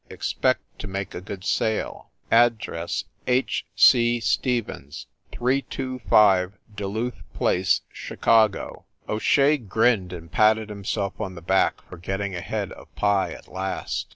Expect to make a good sale. Add. H. C. Stevens, 325 Duluth Place, Chicago." O Shea grinned and patted himself on the back for getting ahead of Pye at last.